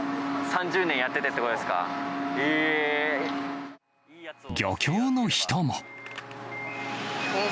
３０年やっててってことですそう。